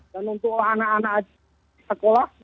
dan untuk anak anak sekolah